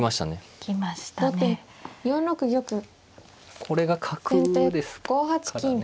これが角ですからね。